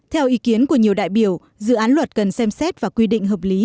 theo ý kiến của nhiều đại biểu dự án luật cần xem xét và quy định hợp lý